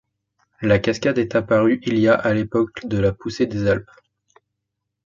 La cascade est apparue il y a à l'époque de la poussée des Alpes.